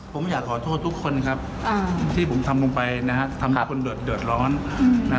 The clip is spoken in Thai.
ผมอยากขอโทษทุกคนครับที่ผมทำลงไปนะฮะทำให้คนเดือดร้อนนะ